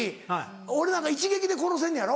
俺なんか一撃で殺せんのやろ？